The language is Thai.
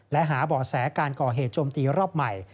และหาบ่อแสการก่อเหตุโจมตีรอบใหม่